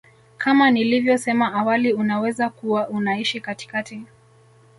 kama nilivyosema awali unaweza kuwa unaishi katikati